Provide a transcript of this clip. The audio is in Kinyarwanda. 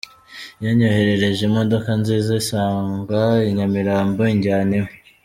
Yanyoherereje imodoka nziza insanga i Nyamirambo injyana iwe.